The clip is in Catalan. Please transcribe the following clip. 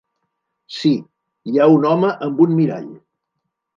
Sí, hi ha un home amb un mirall.